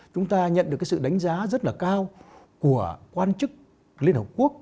chúng ta nhận được cái sự đánh giá rất là cao của quan chức liên hợp quốc